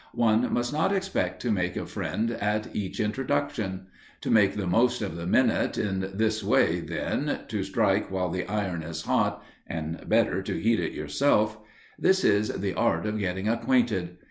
One must not expect to make a friend at each introduction. To make the most of the minute in this way, then, to strike while the iron is hot (and, better, to heat it yourself) this is the art of getting acquainted.